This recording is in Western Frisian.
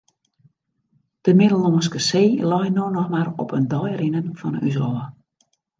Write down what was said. De Middellânske See lei no noch mar op in dei rinnen fan ús ôf.